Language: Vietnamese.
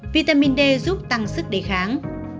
vitamin d giúp tăng sức đề kháng